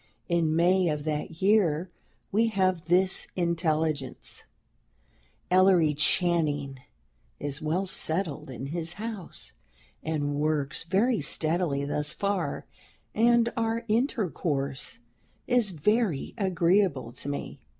In May of that year we have this intelligence: "Ellery Channing is well settled in his house, and works very steadily thus far, and our intercourse is very agreeable to me.